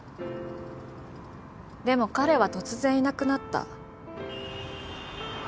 でも彼は突然いなくなった。